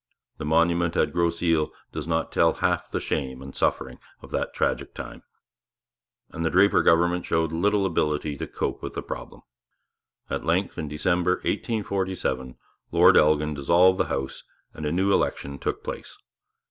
The monument at Grosse Isle does not tell half the shame and suffering of that tragic time. And the Draper government showed no ability to cope with the problem. At length, in December 1847, Lord Elgin dissolved the House and a new election took place.